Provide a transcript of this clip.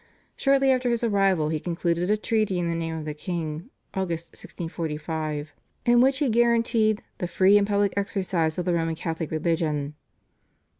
Shortly after his arrival he concluded a treaty in the name of the king (Aug. 1645) in which he guaranteed "the free and public exercise of the Roman Catholic religion."